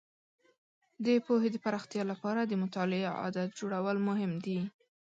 د پوهې د پراختیا لپاره د مطالعې عادت جوړول مهم دي.